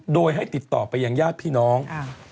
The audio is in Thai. โดยให้ติดต่อไปยังญาติพี่น้อง